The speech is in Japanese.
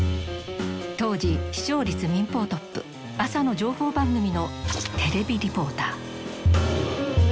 当時視聴率民放トップ朝の情報番組のテレビリポーター。